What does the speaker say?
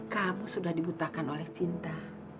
kamu sudah dibutakan oleh cinta